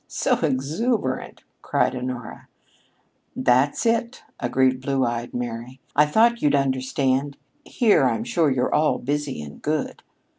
"So exuberant!" cried Honora. "That's it!" agreed "Blue eyed Mary." "I thought you'd understand. Here, I'm sure, you're all busy and good."